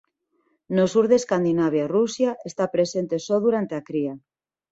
No sur de Escandinavia e Rusia está presente só durante a cría.